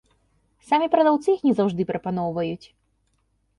Самі прадаўцы іх не заўжды прапаноўваюць.